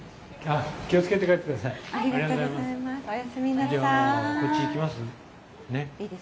気をつけて帰ってください。